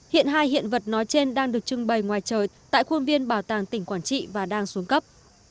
hiện hai hiện vật nói trên đang được trưng bày ngoài trời tại khuôn viên bảo tàng tỉnh quảng trị và đang xuống cấp